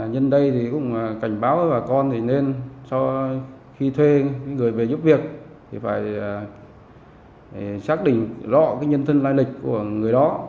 nhân đây thì cũng cảnh báo với bà con thì nên khi thuê những người về giúp việc thì phải xác định rõ nhân thân lai lịch của người đó